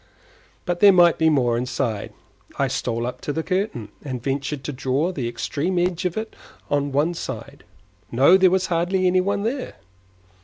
But there might be more inside. I stole up to the curtain, and ventured to draw the extreme edge of it on one side. No, there was hardly any one there.